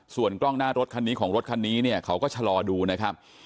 ส่วนกล้องหน้ารถคันนี้ของรถคันนี้เนี่ยเขาก็ชะลอดูนะครับ